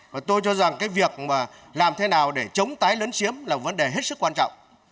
và tôi cho rằng cái việc mà làm thế nào để chống tái lấn chiếm là vấn đề hết sức quan trọng